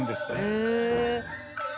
へえ。